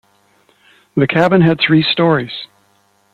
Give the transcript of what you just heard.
The cabin had three stories.